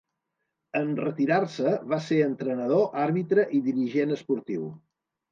En retirar-se va ser entrenador, àrbitre i dirigent esportiu.